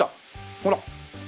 ほら。